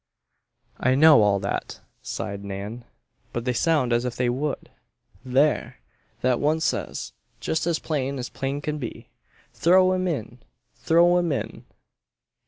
"I know all that," sighed Nan. "But they sound as if they would. There! That one says, just as plain as plain can be, 'Throw 'im in! Throw 'im in!"